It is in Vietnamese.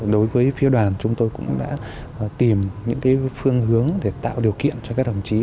đối với phía đoàn chúng tôi cũng đã tìm những phương hướng để tạo điều kiện cho các đồng chí